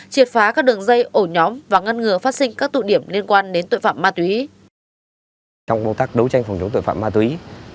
triệt phá các đường dây ổ nhóm và ngăn ngừa phát sinh các tụ điểm liên quan đến tội phạm ma túy